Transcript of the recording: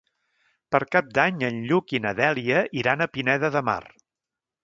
Per Cap d'Any en Lluc i na Dèlia iran a Pineda de Mar.